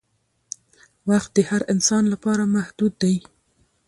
وخت د هر انسان لپاره محدود دی